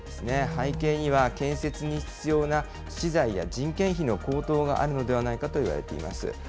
背景には建設に必要な資材や人件費の高騰があるのではないかといわれています。